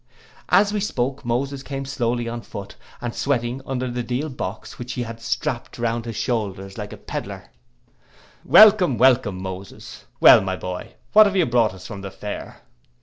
As she spoke, Moses came slowly on foot, and sweating under the deal box, which he had strapt round his shoulders like a pedlar.—'Welcome, welcome, Moses; well, my boy, what have you brought us from the fair?